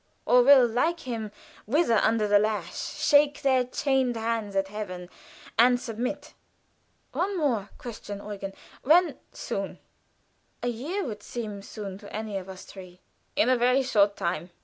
or will, like him, writhe under the lash, shake their chained hands at Heaven, and submit. "One more question, Eugen. When?" "Soon." "A year would seem soon to any of us three." "In a very short time.